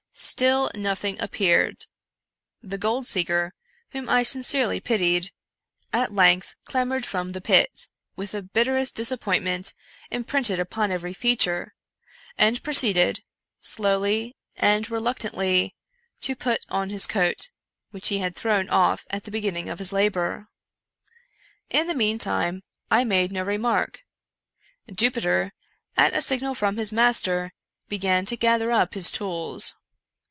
Still nothing appeared. The gold seeker, whom I sincerely pitied, at length clambered from the pit, with the bitterest disappoint ment imprinted upon every feature, and proceeded, slowly and reluctantly, to put on his coat, which he had thrown off at the beginning of his labor. In the meantime I made no remark. Jupiter, at a signal from his master, began to gather up his tools.